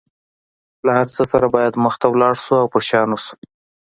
له هر څه سره باید مخ ته لاړ شو او په شا نشو.